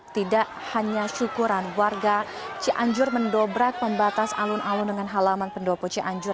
tidak hanya syukuran warga cianjur mendobrak pembatas alun alun dengan halaman pendopo cianjur